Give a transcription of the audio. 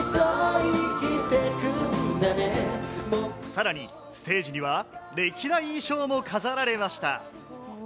さらに、ステージには歴代衣装も飾られました。